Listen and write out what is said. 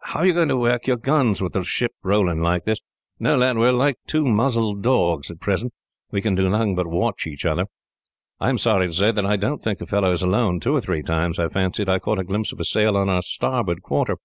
"How are you going to work your guns, with the ship rolling like this? No, lad, we are like two muzzled dogs at present we can do nothing but watch each other. I am sorry to say that I don't think the fellow is alone. Two or three times I have fancied that I caught a glimpse of a sail on our starboard quarter.